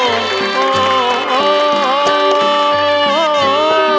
โอ้โอ้โอ้